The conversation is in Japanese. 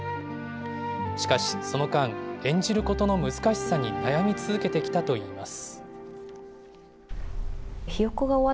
しかし、その間、演じることの難しさに悩み続けてきたといいます。